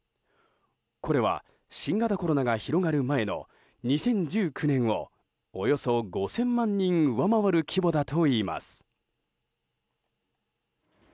これは、新型コロナが広がる前の２０１９年をおよそ５０００万人上回る規模だといいます。